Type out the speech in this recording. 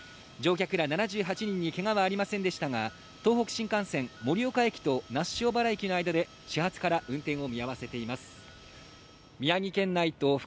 乗客ら７８人にけがはありませんでしたが、東北新幹線盛岡駅と那須塩原駅の間で始発から運転を見合わせています。